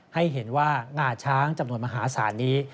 ให้เห็นว่างาช้างจำนวนมหาศาลนี้